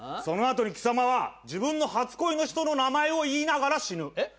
その後に貴様は自分の初恋の人の名前を言いながら死ぬ。